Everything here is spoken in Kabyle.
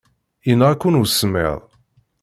Yenɣa-ken usemmiḍ.